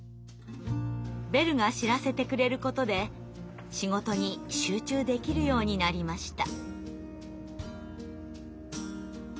ベルが知らせてくれることで仕事に集中できるようになりました。